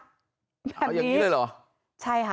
เอาอย่างนี้เลยเหรอใช่ค่ะ